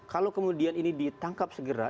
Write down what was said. kalau kemudian ini ditangkap segera